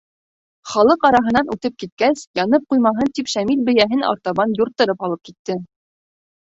Халыҡ араһынан үтеп киткәс, янып ҡуймаһын, тип Шамил бейәһен артабан юрттырып алып китте.